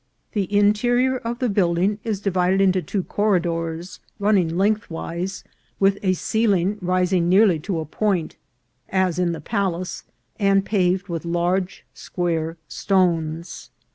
341 The interior of the building is divided into two corri dors, running lengthwise, with a ceiling rising nearly to a point, as in the palace, and paved with large square stones.